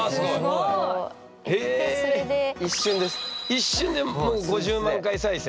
一瞬でもう５０万回再生。